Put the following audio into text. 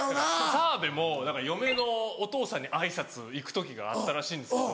澤部も嫁のお父さんに挨拶行く時があったらしいんですけど